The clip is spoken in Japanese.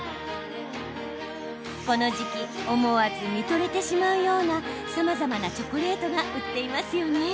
この時期、思わず見とれてしまうようなさまざまなチョコレートが売っていますよね。